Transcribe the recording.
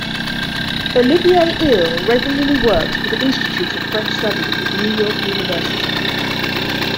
Olivier Ihl regularly works with the Institute of French Studies at New York University.